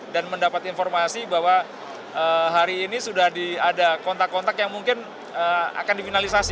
dan mendapat informasi bahwa hari ini sudah ada kontak kontak yang mungkin akan divinalisasi